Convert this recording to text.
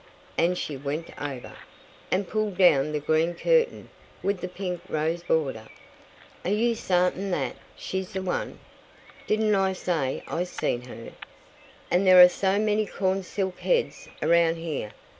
and she went over, and pulled down the green curtain with the pink rose border. "Are you sartin thet she's the one?" "Didn't I say I seen her? Are there so many cornsilk heads around here?